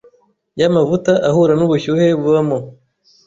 ya mavuta ahura n’ubushyuhe bubamo